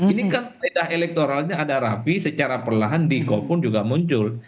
ini kan bedah elektoralnya ada rapi secara perlahan di kol pun juga muncul